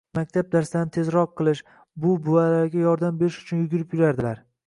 maktab darslarini tezroq qilish, buvi-buvalariga yordam berish uchun yugurib yuradilar.